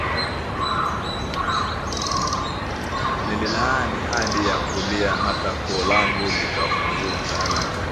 Nililia hadi ya kulia hata koo langu likafungana